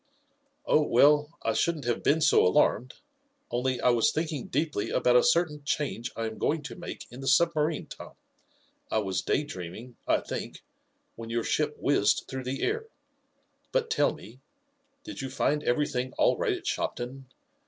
"Oh, well, I shouldn't have been so alarmed, only I was thinking deeply about a certain change I am going to make in the submarine, Tom. I was day dreaming, I think, when your ship whizzed through the air. But tell me, did you find everything all right at Shopton?